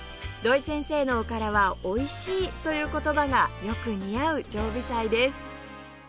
土井先生のおからは「おいしい」という言葉がよく似合う常備菜です